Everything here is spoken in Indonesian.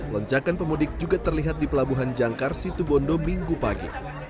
lonjakan pemudik juga terlihat di pelabuhan jangkar situbondo minggu pagi